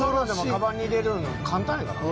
カバンに入れるの簡単やからな。